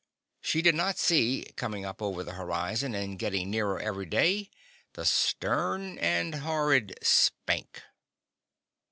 She did not see, comin' up over the horizon, and gittin' nearer every day, the stern and horrid Spank!